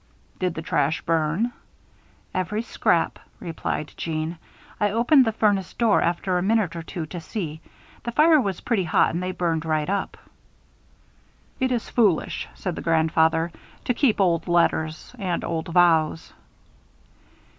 "Did the trash burn?" "Every scrap," replied Jeanne. "I opened the furnace door, after a minute or two to see. The fire was pretty hot and they burned right up." "It is foolish," said her grandfather, "to keep old letters and old vows."